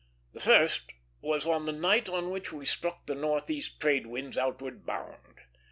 The first was the night on which we struck the northeast trade winds, outward bound.